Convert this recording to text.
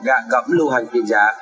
gạ cẩm lưu hành tiền giả